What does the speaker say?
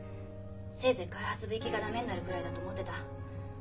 せいぜい開発部行きが駄目になるくらいだと思ってた。